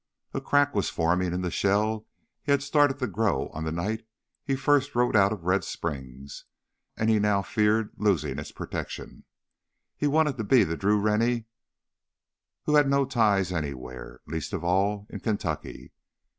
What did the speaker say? A crack was forming in the shell he had started to grow on the night he first rode out of Red Springs, and he now feared losing its protection. He wanted to be the Drew Rennie who had no ties anywhere, least of all in Kentucky.